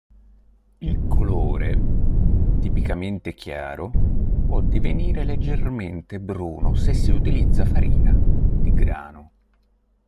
Il colore, tipicamente chiaro, può divenire leggermente bruno se si utilizza farina di grano.